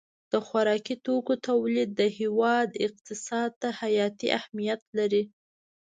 د خوراکي توکو تولید د هېواد اقتصاد ته حیاتي اهمیت لري.